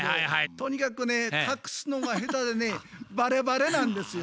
とにかくね隠すのが下手でねバレバレなんですよ。